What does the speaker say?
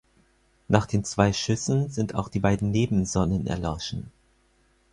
Nach den zwei Schüssen sind auch die beiden Nebensonnen erloschen.